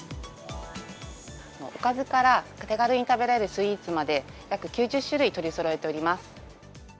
おかずから手軽に食べられるスイーツまで、約９０種類取りそろえております。